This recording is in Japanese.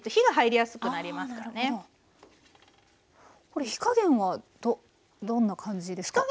これ火加減はどんな感じですか？